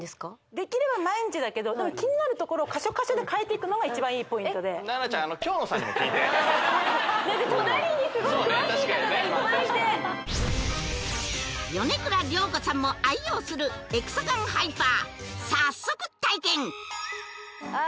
できれば毎日だけど気になるところ箇所箇所で変えていくのが一番いいポイントで奈々ちゃんあの隣にすごい詳しい方がいっぱいいて米倉涼子さんも愛用するエクサガンハイパー早速体験え